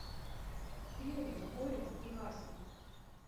Тлелі вуголлем і гаслі.